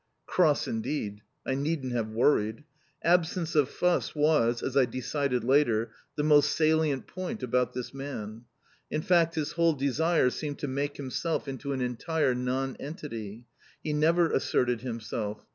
Cross indeed! I needn't have worried. Absence of fuss, was, as I decided later, the most salient point about this man. In fact, his whole desire seemed to make himself into an entire nonentity. He never asserted himself.